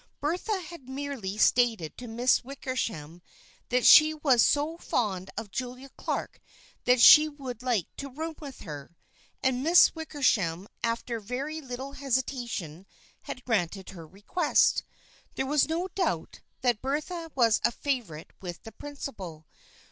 Bertha had merely stated to Miss Wickersham that she was so fond of Julia Clark that she would like to room with her, and Miss Wickersham after very little hesitation had granted her request. There was no doubt that Bertha was a favorite with the principal.